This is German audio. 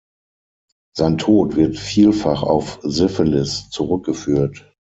Sein Tod wird vielfach auf Syphilis zurückgeführt.